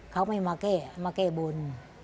เขาไม่มาแก้มาแก้บน